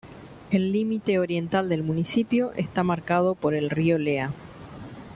El límite oriental del municipio está marcado por el río Lea.